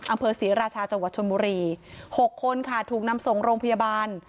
อำเภอศรีราชาจังหวัดชนบุรี๖คนค่ะถูกนำส่งโรงพยาบาล